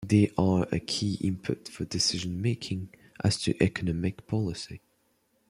They are a key input for decision making as to economic policy.